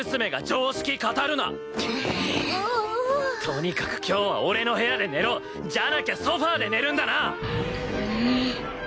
とにかく今日は俺の部屋で寝ろ！じゃなきゃソファで寝るんだな！